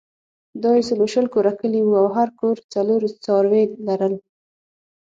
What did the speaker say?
دا یو سل او شل کوره کلی وو او هر کور څلور څاروي لرل.